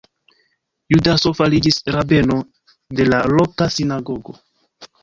Judaso fariĝis rabeno de la loka sinagogo.